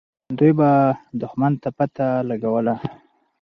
دوی به دښمن ته پته لګوله.